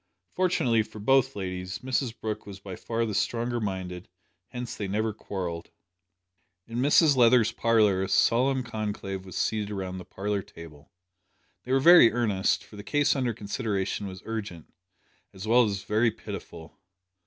Fortunately for both ladies, Mrs Brooke was by far the stronger minded hence they never quarrelled! In Mrs Leather's parlour a solemn conclave was seated round the parlour table. They were very earnest, for the case under consideration was urgent, as well as very pitiful.